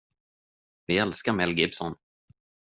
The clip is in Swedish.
Vi älskar Mel Gibson.